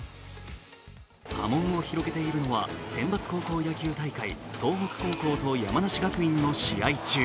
波紋を広げているのは選抜高校野球大会東北高校と山梨学院の試合中